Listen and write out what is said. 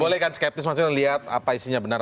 boleh kan skeptis maksudnya lihat apa isinya benar